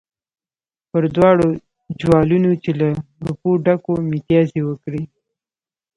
پر دواړو جوالونو چې له روپو ډک وو متیازې وکړې.